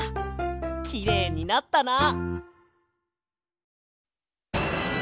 きれいになったな！